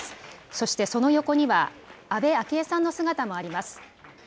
そして、その横には安倍昭恵さんの姿もあります。